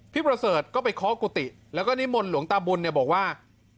พี่ประเสริฐก็ไปข้อกุฏิและก็นิมนต์หลวงตาบุญบอกว่า